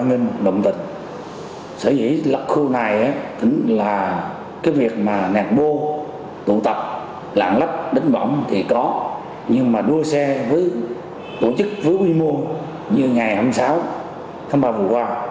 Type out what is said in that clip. như ngày hai mươi sáu tháng ba vừa qua